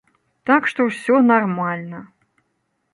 Так што ўсё нармальна!